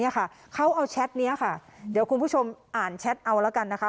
เขาเอาแชทนี้ค่ะเดี๋ยวคุณผู้ชมอ่านแชทเอาแล้วกันนะคะ